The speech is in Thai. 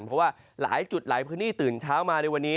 เพราะว่าหลายจุดหลายพื้นที่ตื่นเช้ามาในวันนี้